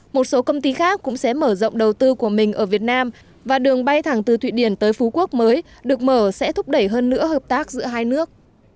một số công ty khác cũng sẽ mở rộng đầu tư của mình ở việt nam và đường bay thẳng từ thụy điển tới phú quốc mới được mở sẽ thúc đẩy hơn nữa hợp tác giữa hai nước